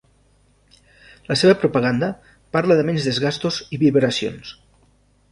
La seva propaganda parla de menys desgastos i vibracions.